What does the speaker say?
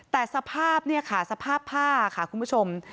แต่สภาพเนี่ยค่ะสภาพผ้าค่ะคุณผู้ชม